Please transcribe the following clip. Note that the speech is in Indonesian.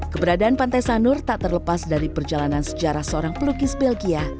keberadaan pantai sanur tak terlepas dari perjalanan sejarah seorang pelukis belgia